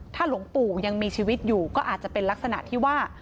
ถ้าหลวงปู่ยังมีชีวิตอยู่ก็อาจจะเป็นลักษณะที่ว่า